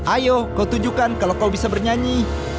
ayo kau tunjukkan kalau kau bisa bernyanyi